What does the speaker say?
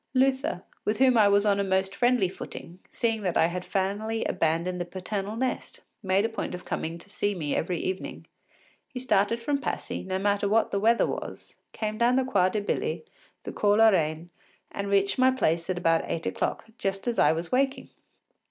Luther, with whom I was on a most friendly footing, seeing that I had finally abandoned the paternal nest, made a point of coming to see me every morning. He started from Passy, no matter what the weather was, came down the Quai de Billy, the Cours la Reine, and reached my place at about eight o’clock, just as I was waking.